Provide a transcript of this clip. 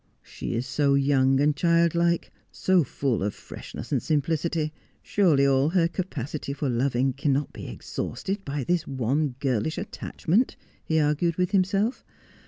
' She is so young and childlike — so full of freshness and sim plicity. Surely all her capacity for loving cannot be exhausted by this one girlish attachment/ he argued with himself.